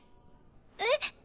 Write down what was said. えっ！？